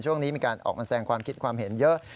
ช่วงนี้มีการออกมาแสงความคิดความเห็นเยอะ